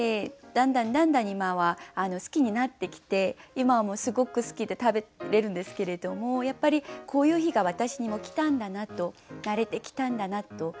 だんだんだんだん今は好きになってきて今はもうすごく好きで食べれるんですけれどもこういう日が私にも来たんだなと慣れてきたんだなと。